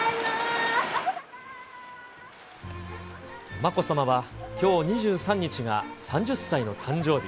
まこさまはきょう２３日が３０歳の誕生日。